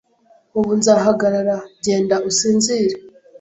Ubu nzahagarara. Genda usinzire.